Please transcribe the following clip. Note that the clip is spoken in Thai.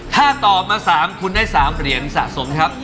ถ้าตอบมา๓คุณได้๓เหรียญสะสมนะครับ